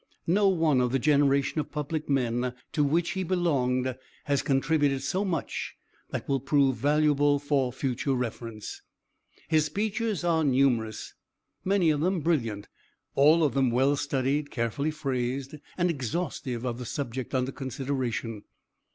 No one of the generation of public men to which he belonged has contributed so much that will prove valuable for future reference. His speeches are numerous, many of them brilliant, all of them well studied, carefully phrazed, and exhaustive of the subject under consideration.